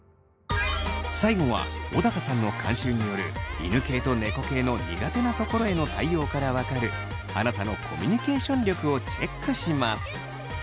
最後は小高さんの監修による犬系と猫系の苦手なところへの対応から分かるあなたのコミュニケーション力をチェックします。